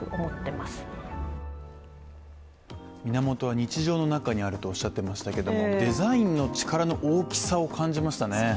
源は日常の中にあるとおっしゃっていましたけれどもデザインの力の大きさを感じましたね。